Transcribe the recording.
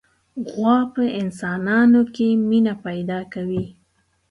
غوا په انسانانو کې مینه پیدا کوي.